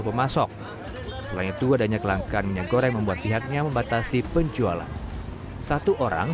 pemasok selain itu adanya kelangkaan minyak goreng membuat pihaknya membatasi penjualan satu orang